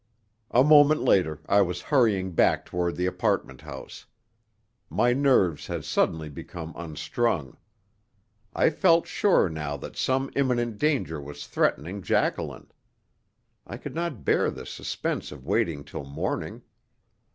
A moment later I was hurrying back toward the apartment house. My nerves had suddenly become unstrung. I felt sure now that some imminent danger was threatening Jacqueline. I could not bear the suspense of waiting till morning.